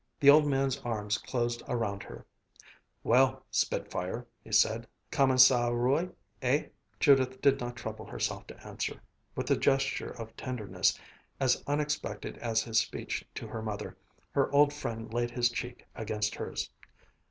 The old man's arms closed around her. "Well, spitfire," he said, "comment ça roule, eh?" Judith did not trouble herself to answer. With a gesture of tenderness, as unexpected as his speech to her mother, her old friend laid his cheek against hers.